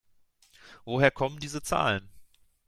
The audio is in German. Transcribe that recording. Woher kommen diese Zahlen?